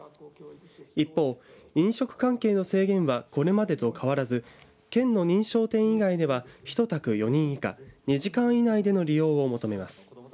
一方、飲食関係の制限はこれまでと変わらず県の認証店以外では１卓４人以下２時間以内での利用を求めます。